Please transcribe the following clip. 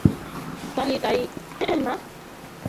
তালি তাই না?